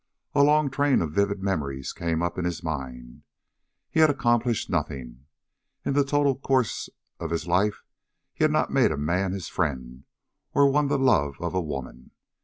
A long train of vivid memories came up in his mind. He had accomplished nothing. In the total course of his life he had not made a man his friend, or won the love of a woman.